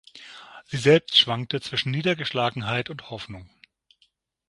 Sie selbst schwankte zwischen Niedergeschlagenheit und Hoffnung.